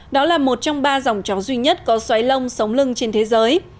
đó là một trong ba dòng chó duy nhất có xoáy lông sống lưng trên thế giới